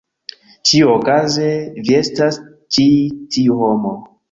Ĉiuokaze vi estas ĉi tiu homo.